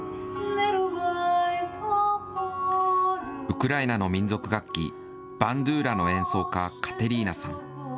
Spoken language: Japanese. ウクライナの民族楽器、バンドゥーラの演奏家、カテリーナさん。